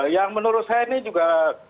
yang menurut saya ini juga